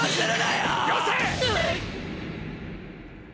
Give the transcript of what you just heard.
よせ！！